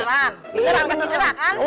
beneran beneran kan beneran